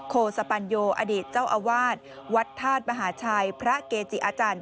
โคสปัญโยอดีตเจ้าอาวาสวัดธาตุมหาชัยพระเกจิอาจารย์